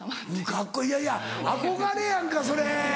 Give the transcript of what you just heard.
カッコいいいやいや憧れやんかそれ。